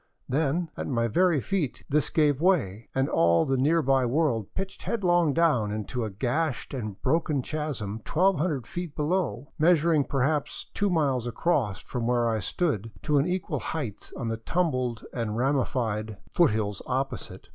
Then at my very feet this gave way, and all the nearby world pitched headlong down into a gashed and broken chasm 1200 feet down, measuring perhaps two miles across from where I stood to an equal height on the tumbled and ramified foothills opposite.